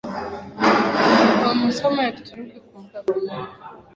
wa masomo ya Kituruki Kumbuka kuwa idadi kubwa